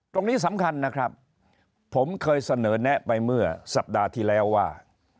ตรงนี้สำคัญนะครับผมเคยเสนอแนะไปเมื่อสัปดาห์ที่แล้วว่า